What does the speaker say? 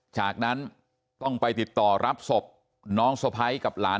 จากนั้นต้องไปติดต่อรับศพน้องสะพ้าย